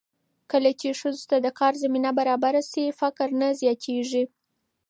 کله چې ښځو ته د کار زمینه برابره شي، فقر نه زیاتېږي.